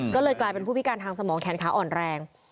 ก็เลยกลายเป็นผู้พิการทางสมองแขนขาอ่อนแรง